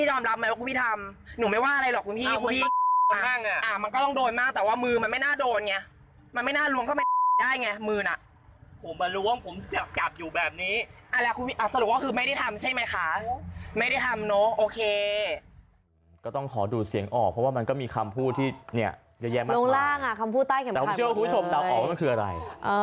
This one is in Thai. แต่ผมเชื่อว่าคุณผู้ชมตอบออกว่ามันคืออะไร